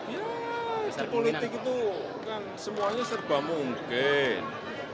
ya di politik itu kan semuanya serba mungkin